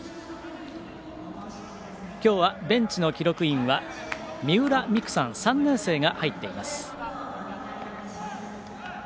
今日はベンチの記録員は三浦未来さん、３年生が入っています。